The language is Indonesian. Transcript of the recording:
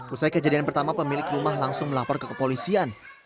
usai kejadian pertama pemilik rumah langsung melapor ke kepolisian